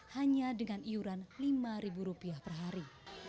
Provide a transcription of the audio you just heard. hanya dengan iuran lima rupiah per hari